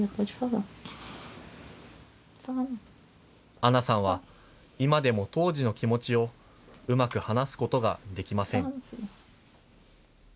アナさんは今でも、当時の気持ちをうまく話すことができません。